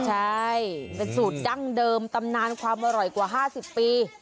ใช่เป็นสูตรดั้งเดิมตำนานความอร่อยกว่า๕๐ปี